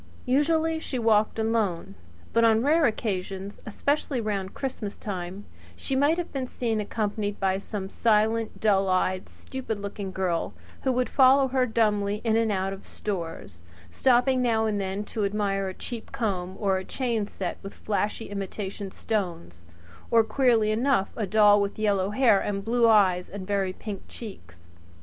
Usually she walked alone; but on rare occasions, especially round Christmas time, she might have been seen accompanied by some silent, dull eyed, stupid looking girl, who would follow her dumbly in and out of stores, stopping now and then to admire a cheap comb or a chain set with flashy imitation stones or, queerly enough, a doll with yellow hair and blue eyes and very pink cheeks.